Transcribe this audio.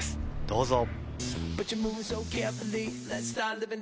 どうぞ。